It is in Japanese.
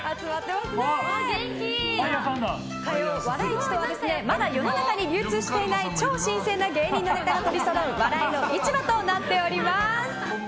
市とはまだ世の中に流通していない超新鮮な芸人のネタがとりそろう芸人の市場となっております。